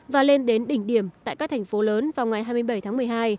và lên đến đỉnh điểm tại các thành phố lớn vào ngày hai mươi bảy tháng một mươi hai